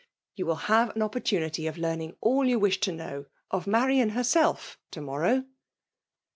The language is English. " You will have an op po^rtunity of learning all you wish to know, of Marian herself, to morrow."